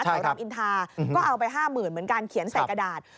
รามอินทาก็เอาไป๕๐๐๐เหมือนกันเขียนใส่กระดาษ